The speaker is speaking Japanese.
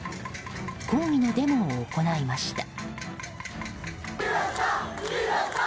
抗議のデモを行いました。